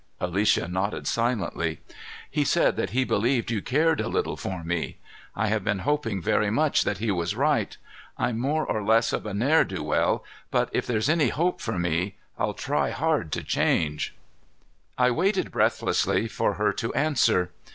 Alicia nodded silently. "He said that he believed you cared a little for me. I have been hoping very much that he was right. I'm more or less of a ne'er do well, but if there's any hope for me, I'll try hard to change." I waited breathlessly for her to answer.